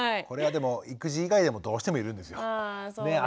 これはでも育児以外でもどうしてもいるんですよ。ね？